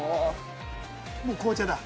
もう紅茶だ。